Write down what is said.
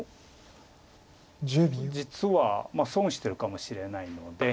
実は損してるかもしれないので。